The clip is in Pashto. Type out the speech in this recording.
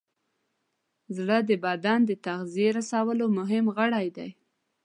زړه د بدن د تغذیې رسولو مهم غړی دی.